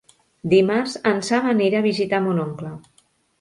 Dimarts en Sam anirà a visitar mon oncle.